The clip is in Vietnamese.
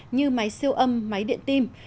như máy siêu âm máy điện tim